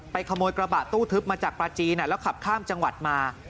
ขโมยกระบะตู้ทึบมาจากปลาจีนแล้วขับข้ามจังหวัดมา